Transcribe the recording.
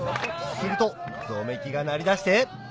するとぞめきが鳴り出して